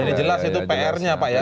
jadi jelas itu pr nya pak ya